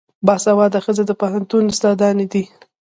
باسواده ښځې د پوهنتون استادانې دي.